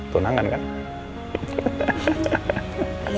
tunangan kamu juga bagus ya kavali